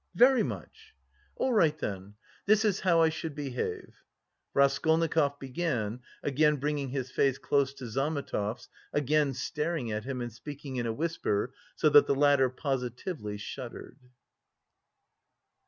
"Very much!" "All right then. This is how I should behave," Raskolnikov began, again bringing his face close to Zametov's, again staring at him and speaking in a whisper, so that the latter positively shuddered.